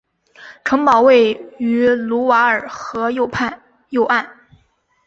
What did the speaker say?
城堡位于卢瓦尔河右岸。